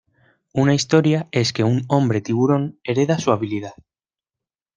Una historia es que un hombre-tiburón hereda su habilidad.